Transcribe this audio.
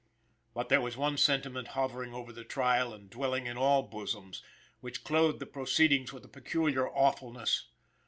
But there was one sentiment hovering over the trial and dwelling in all bosoms, which clothed the proceedings with a peculiar awfulness.